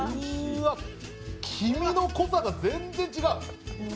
黄身の濃さが全然違う。